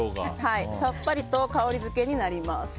さっぱりと香りづけになります。